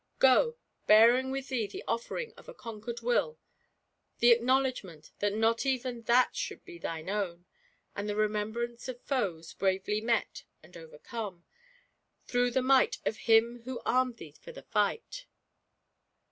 Go, bearing with thee the offering of a conquered Will, the acknowledgment that not even that should be thine own, and the remembrance of foes bravely met and overcome, through the might of Him who armed thee for the fight